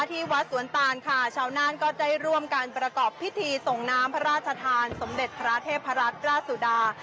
ที่วัดสวนตานค่ะชาวนานก็ได้ร่วมการประกอบพิธีส่งน้ำพระราชทานสมเด็จพระเทพรัตนราชสุดา